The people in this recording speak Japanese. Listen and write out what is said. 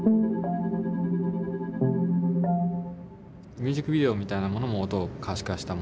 ミュージックビデオみたいなものも音を可視化したもの。